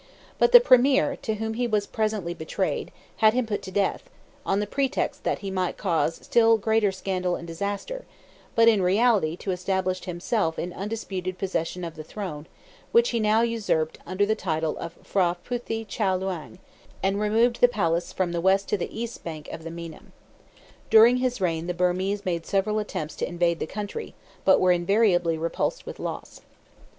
But the premier, to whom he was presently betrayed, had him put to death, on the pretext that he might cause still greater scandal and disaster, but in reality to establish himself in undisputed possession of the throne, which he now usurped under the title of P'hra Phuthi Chow Luang, and removed the palace from the west to the east bank of the Meinam. During his reign the Birmese made several attempts to invade the country, but were invariably repulsed with loss.